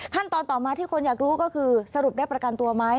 ต่อมาที่คนอยากรู้ก็คือสรุปได้ประกันตัวไหม